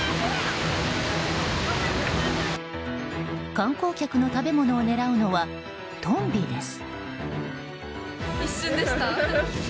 観光客の食べ物を狙うのはトンビです。